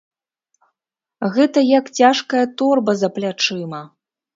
Гэта як цяжкая торба за плячыма!